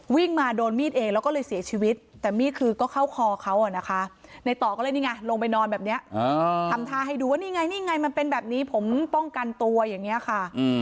วิ่งมาโดนมีดเองแล้วก็เลยเสียชีวิตแต่มีดคือก็เข้าคอเขาอ่ะนะคะในต่อก็เลยนี่ไงลงไปนอนแบบนี้ทำท่าให้ดูว่านี่ไงนี่ไงมันเป็นแบบนี้ผมป้องกันตัวอย่างนี้ค่ะ